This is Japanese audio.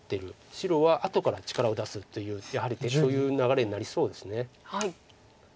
白は後から力を出すというやはりそういう流れになりそうです。